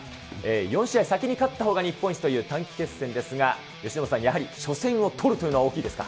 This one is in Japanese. ４試合先に勝ったほうが日本一という、短期決戦ですが、由伸さん、やはり初戦を取るというのは大きいですか。